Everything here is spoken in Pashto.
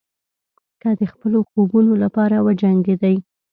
که د خپلو خوبونو لپاره وجنګېدئ.